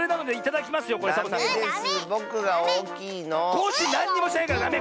コッシーなんにもしてないからダメ！